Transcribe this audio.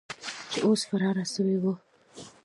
چې اوس فراره سوي وو.